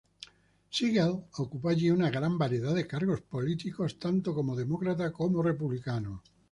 Sigel ocupó allí una gran variedad de cargos políticos, tanto como demócrata como republicano.